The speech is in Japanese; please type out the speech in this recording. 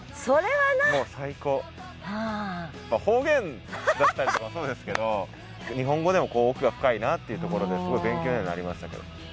方言だったりとかもそうですけど日本語でも奥が深いなっていうところですごい勉強にはなりましたけど。